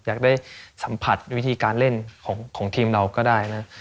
อยากได้สัมผัสวิธีการเล่นของทีมเราก็ได้นะ